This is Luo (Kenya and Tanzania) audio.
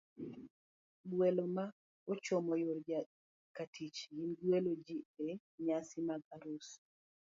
Gwelo ma ochomo yor katich gin gwelo ji e nyasi mag arus,